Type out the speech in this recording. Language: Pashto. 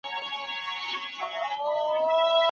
ډاکټر مجاور احمد زیار د موضوع پر مخینه ټینګار کوي.